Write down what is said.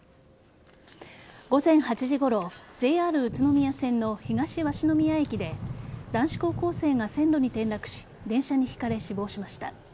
午前８時ごろＪＲ宇都宮線の東鷲宮駅で男子高校生が線路に転落し電車にひかれ死亡しました。